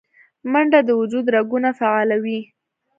منډه د وجود رګونه فعالوي